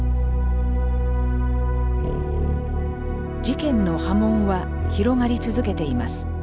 事件の波紋は広がり続けています。